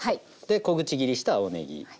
小口切りした青ねぎ。